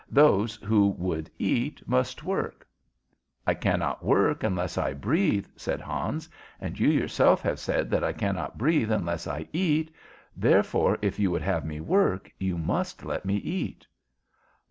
"Those who would eat must work." "I cannot work unless I breathe," said Hans; "and you yourself have said that I cannot breathe unless I eat. Therefore, if you would have me work, you must let me eat."